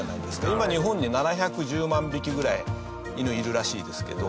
今、日本に７１０万匹ぐらい犬、いるらしいですけど。